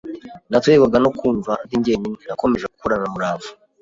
naterwaga no kumva ndi njyenyine, nakomeje gukorana umurava